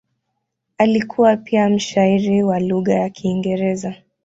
Alikuwa pia mshairi wa lugha ya Kiingereza.